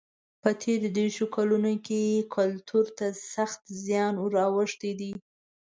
په تېرو دېرشو کلونو کې کلتور ته سخت زیان ور اوښتی دی.